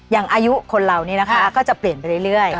อย่างอายุคนเรานี่นะคะก็จะเปลี่ยนไปเรื่อย